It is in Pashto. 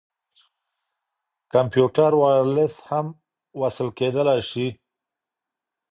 کمپيوټر وايرلس هم وصل کېدلاى سي.